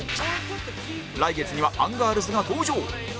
来月にはアンガールズが登場